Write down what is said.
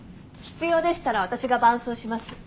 必要でしたら私が伴奏します。